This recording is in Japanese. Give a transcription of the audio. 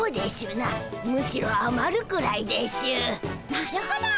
なるほど。